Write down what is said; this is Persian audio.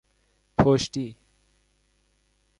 پشتی